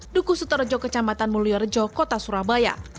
dukusutorojo kecamatan mulyorejo kota surabaya